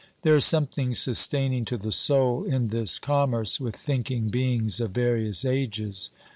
There is something sustaining to the soul in this commerce with thinking beings of various ages.